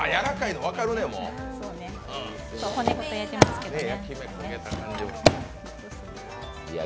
骨ごとやってますけれどもね。